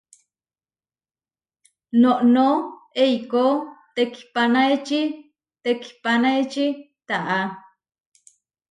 Noʼnó eikó tekihpanaeči tekihpanaeči taʼa.